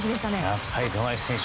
やっぱり富樫選手